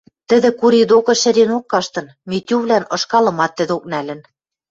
Тӹдӹ Кури докы шӹренок каштын, Митювлӓн ышкалымат тӹдок нӓлӹн.